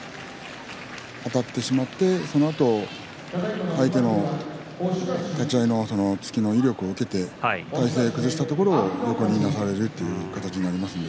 あたってしまって、そのあと相手の立ち合いの突きの威力を受けて体勢を崩したところを横にいなされるという形になりますので。